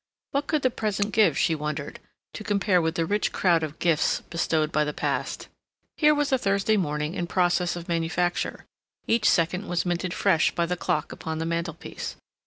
What could the present give, she wondered, to compare with the rich crowd of gifts bestowed by the past? Here was a Thursday morning in process of manufacture; each second was minted fresh by the clock upon the mantelpiece.